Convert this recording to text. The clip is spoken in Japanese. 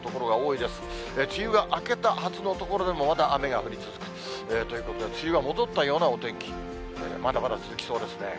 梅雨が明けたはずの所でも、まだ雨が降り続くということで、梅雨が戻ったようなお天気、まだまだ続きそうですね。